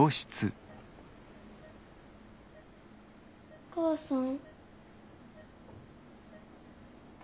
お母さん？